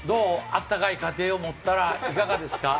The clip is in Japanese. あったかい家庭を持ったらいかがですか？